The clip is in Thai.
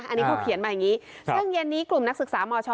อันนี้เขาเขียนมาอย่างนี้ซึ่งเย็นนี้กลุ่มนักศึกษามช